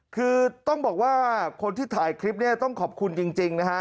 คือต้องบอกว่าคนที่ถ่ายคลิปเนี่ยต้องขอบคุณจริงนะฮะ